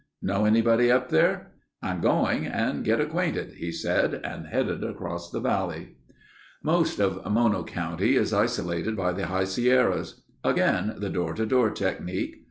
"Know anybody up there?" "I'm going and get acquainted," he said and headed across the valley. Most of Mono county is isolated by the High Sierras. Again the door to door technique.